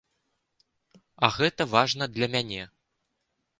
А гэта важна для мяне.